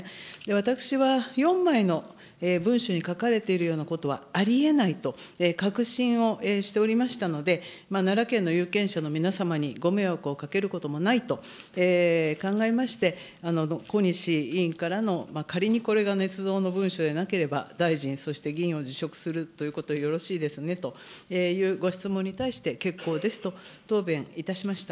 私は４枚の文書に書かれているようなことはありえないと確信をしておりましたので、奈良県の有権者の皆様にご迷惑をかけることもないと考えまして、小西委員からの、仮にこれがねつ造の文書でなければ、大臣、そして議員を辞職するということでよろしいですねというご質問に対して、結構ですと答弁いたしました。